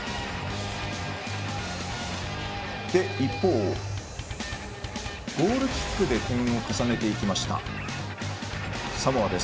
一方、ゴールキックで点を重ねていきましたサモア。